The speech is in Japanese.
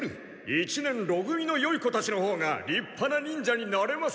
一年ろ組のよい子たちのほうがりっぱな忍者になれます。